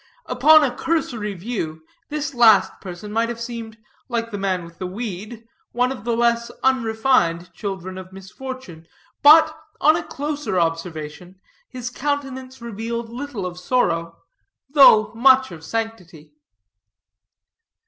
Upon a cursory view, this last person might have seemed, like the man with the weed, one of the less unrefined children of misfortune; but, on a closer observation, his countenance revealed little of sorrow, though much of sanctity.